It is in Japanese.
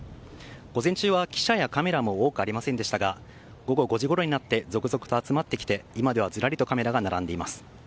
午前中は記者やカメラも多くありませんでしたが午後５時ごろになって続々と集まってきて今ではずらりとカメラが並んでいます。